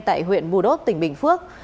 tại huyện bù đốt tỉnh bình phước